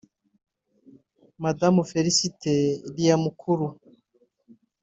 Madamu Félicité Lyamukuru